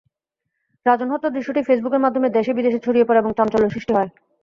রাজন হত্যার দৃশ্যটি ফেসবুকের মাধ্যমে দেশে–বিদেশে ছড়িয়ে পড়ে এবং চাঞ্চল্য সৃষ্টি হয়।